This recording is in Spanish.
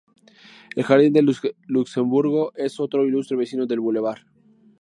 El jardin del Luxemburgo es otro ilustre vecino del bulevar.